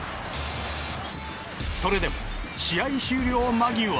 それでも、試合終了間際。